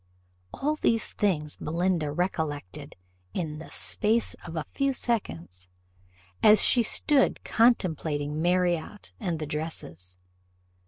All these things Belinda recollected in the space of a few seconds, as she stood contemplating Marriott and the dresses.